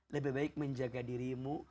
lebih baik menjaga dirimu